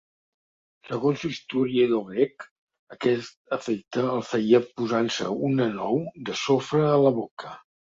Segons l'historiador grec, aquest efecte el feia posant-se una nou de sofre a la boca.